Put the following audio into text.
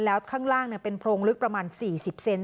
แล้วข้างล่างเป็นโพรงลึกประมาณ๔๐เซน